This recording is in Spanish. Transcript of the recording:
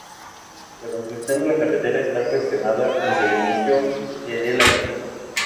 La construcción de la carretera esta cuestionada desde el inicio de de la misma.